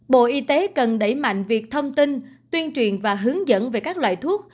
bộ y tế cần đẩy mạnh việc thông tin tuyên truyền và hướng dẫn về các loại thuốc